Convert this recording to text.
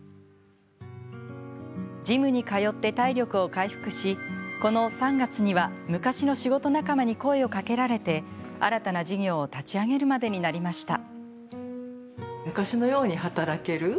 ジムに通って体力を回復しこの３月には昔の仕事仲間に声をかけられて新たな事業を立ち上げるまでになりました。